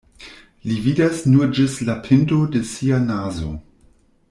Li vidas nur ĝis la pinto de sia nazo.